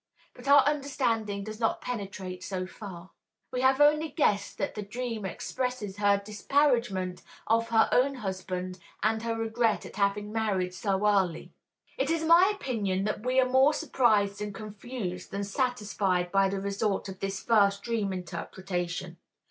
But our understanding does not penetrate so far. We have only guessed that the dream expresses her disparagement of her own husband, and her regret at having married so early. It is my opinion that we are more surprised and confused than satisfied by the result of this first dream interpretation.